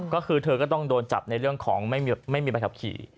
ก็คือเธอก็ต้องโดนจับในเรื่องของไม่มีใบขับขี่